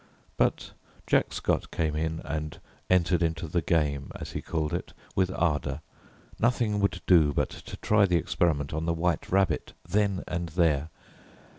But Jack Scott came in and entered into the "game," as he called it, with ardour. Nothing would do but to try the experiment on the white rabbit then and there.